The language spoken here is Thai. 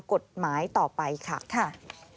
กฎหมายต่อไปค่ะ